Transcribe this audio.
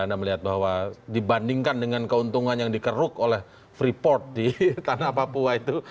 anda melihat bahwa dibandingkan dengan keuntungan yang dikeruk oleh freeport di tanah papua itu